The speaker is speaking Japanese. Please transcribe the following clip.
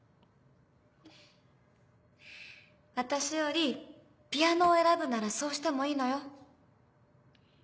私よりピアノを選ぶならそうしてもいいのよ。